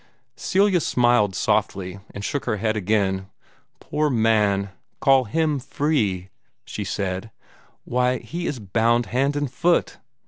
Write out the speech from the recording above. Celia smiled softly, and shook her head again. "Poor man, to call HIM free!" she said: "why, he is bound hand and foot.